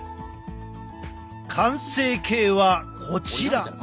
完成形はこちら！